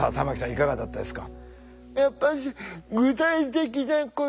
いかがだったですか？